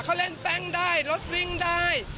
เขาเล่นแป้งได้รถวิ่งได้